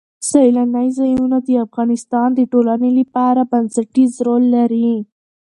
سیلانی ځایونه د افغانستان د ټولنې لپاره بنسټيز رول لري.